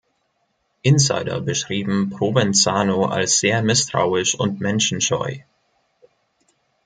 Insider beschrieben Provenzano als sehr misstrauisch und menschenscheu.